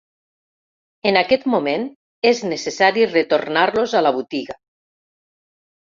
En aquest moment és necessari retornar-los a la botiga.